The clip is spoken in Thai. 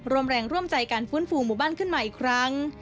ร่วมแรงร่วมใจการฟื้นฟูหมู่บ้านขึ้นมาอีกครั้ง